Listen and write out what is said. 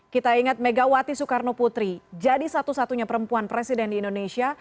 kita ingat megawati soekarno putri jadi satu satunya perempuan presiden di indonesia